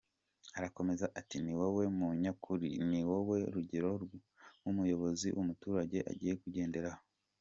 Arakomeza ati: “Ni wowe munyakuri, ni wowe rugero nk’umuyobozi umuturage agiye kugenderaho.